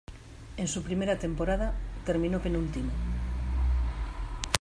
En su primera temporada, terminó penúltimo.